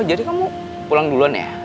oh jadi kamu pulang duluan ya